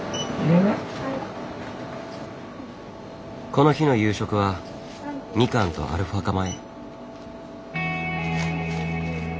この日の夕食はみかんとアルファ化米。